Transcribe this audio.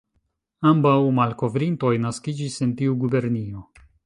Ambaŭ malkovrintoj naskiĝis en tiu gubernio.